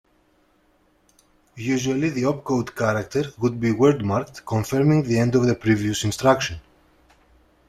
Usually the op-code character would be word-marked, confirming the end of the previous instruction.